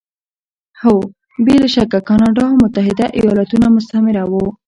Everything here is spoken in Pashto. هو! بې له شکه کاناډا او متحده ایالتونه مستعمره وو.